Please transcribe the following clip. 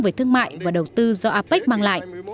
về thương mại và đầu tư do apec mang lại